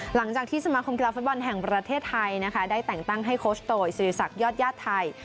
หลังจากที่สมาคมกีฬาฟุตบอลแห่งประเทศไทยนะคะได้แต่งตั้งให้โคชโตยศิริษักยอดญาติไทย